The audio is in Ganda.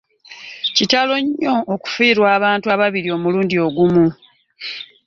Kitalo nnyo okufiirwa abantu ababiri omulundi ogumu.